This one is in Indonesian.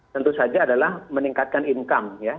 tentu saja adalah meningkatkan income ya